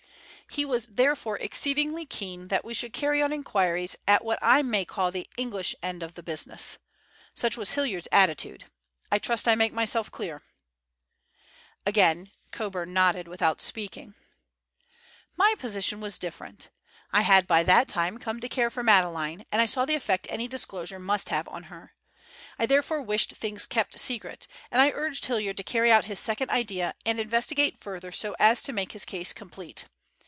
He was therefore exceedingly keen that we should carry on inquiries at what I may call the English end of the business. Such was Hilliard's attitude. I trust I make myself clear." Again Coburn nodded without speaking. "My position was different. I had by that time come to care for Madeleine, and I saw the effect any disclosure must have on her. I therefore wished things kept secret, and I urged Hilliard to carry out his second idea and investigate further so as to make his case complete.